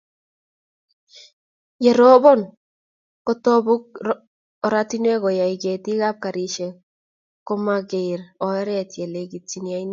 Ye ropon kotubok oratinwek koyai ketikab garisiek komaker oret ye lekit ainet.